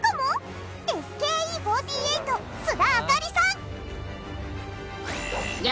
ＳＫＥ４８須田亜香里さん。